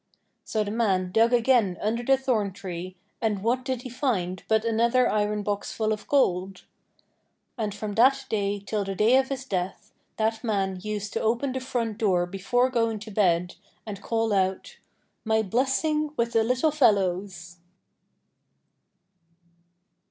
So the man dug again under the thorn tree, and what did he find but another iron box full of gold! And from that day till the day of his death, that man used to open the front door before going to bed, and call out: 'My blessing with the Little Fellows!'